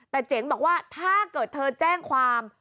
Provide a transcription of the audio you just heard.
แต่เจ๋งบอกว่าถ้าเกิดเธอแจ้งความ